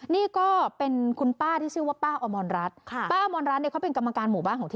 นี่คือทางด้านของอีกคนนึงบ้างค่ะคุณผู้ชมค่ะ